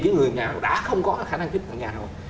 người nghèo đã không có khả năng tiếp cận nhà đâu